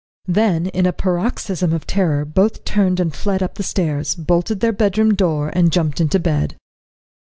Then in a paroxysm of terror both turned and fled up the stairs, bolted their bedroom door, and jumped into bed.